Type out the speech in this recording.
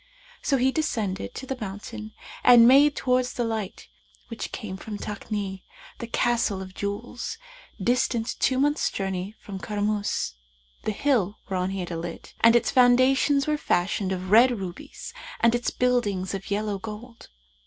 So he descended the mountain and made towards the light, which came from Takni, the Castle of Jewels, distant two months' journey from Karmϊs, the hill whereon he had alit, and its foundations were fashioned of red rubies and its buildings of yellow gold.